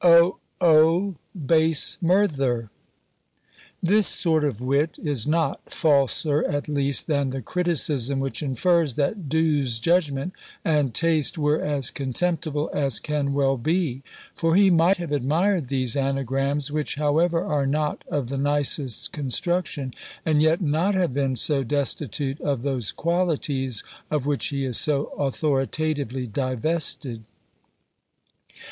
O! O! base Murther_." This sort of wit is not falser at least than the criticism which infers that D'Ewes' "judgment and taste were as contemptible as can well be;" for he might have admired these anagrams, which, however, are not of the nicest construction, and yet not have been so destitute of those qualities of which he is so authoritatively divested.